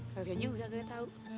salah satu juga gak tau